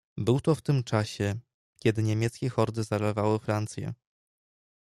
"Było to w tym czasie, kiedy niemieckie hordy zalewały Francję."